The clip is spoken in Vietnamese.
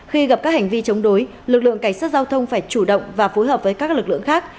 khi gặp các hành vi chống đối lực lượng cảnh sát giao thông phải chủ động và phối hợp với các lực lượng khác